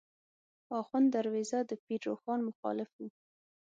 آخوند دروېزه د پیر روښان مخالف و.